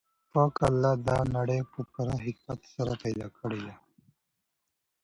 پاک الله دا نړۍ په پوره حکمت سره پیدا کړې ده.